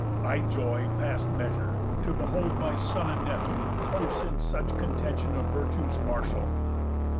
I joy, past measure, to behold my son And nephew close in such contention Of virtues martial."